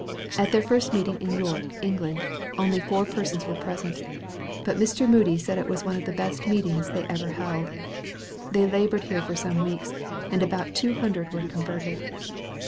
At their first meeting in York, England, only four persons were present, but Mr. Moody said it was one of the best meetings they ever held. They labored here for some weeks, and about two hundred were converted.